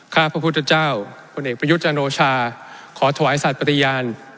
ข้าพระพุทธเจ้าพรุ่นเอกประยุทธ์จาโนชาขอถวายศัตริย์ปฏิยาน